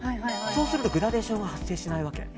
そうするとグラデーションが発生しない。